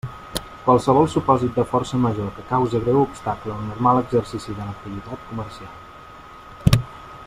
Qualsevol supòsit de força major que cause greu obstacle al normal exercici de l'activitat comercial.